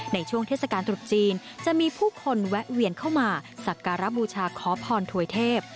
ในช่วงเทศกาลตรุษจีนจะมีผู้คนแวะเวียนเข้ามาสักการะบูชาขอพรถวยเทพ